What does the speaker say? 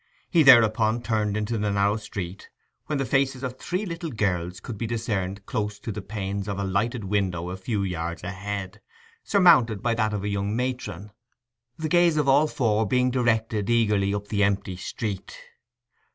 He thereupon turned into the narrow street, when the faces of three little girls could be discerned close to the panes of a lighted window a few yards ahead, surmounted by that of a young matron, the gaze of all four being directed eagerly up the empty street.